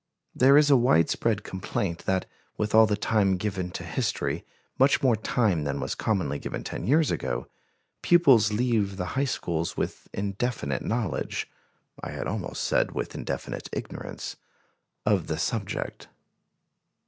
There is a wide spread complaint that, with all the time given to history, much more time than was commonly given ten years ago, pupils leave the high schools with indefinite knowledge I had almost said with indefinite ignorance of the subject.